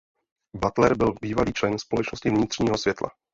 Butler byl bývalý člen Společnosti vnitřního světla.